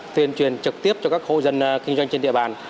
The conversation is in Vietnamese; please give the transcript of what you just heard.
tuyên truyền trực tiếp cho các khu dân kinh doanh trên địa phương